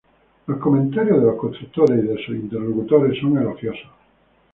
Los comentarios de los constructores y de sus interlocutores son elogiosos.